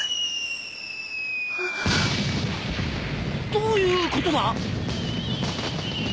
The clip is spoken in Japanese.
どういうことだ？